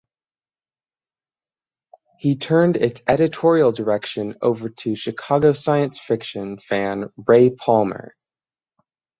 He turned its editorial direction over to Chicago science fiction fan Ray Palmer.